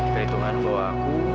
perhitungan bahwa aku